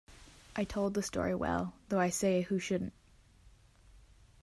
I told the story well, though I say it who shouldn’t.